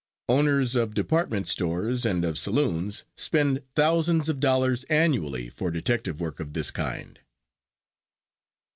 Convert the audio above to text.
Owners of department stores and of saloons spend thousands of dollars annually for detective work of this kind.